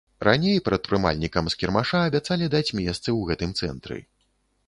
Раней прадпрымальнікам з кірмаша абяцалі даць месцы ў гэтым цэнтры.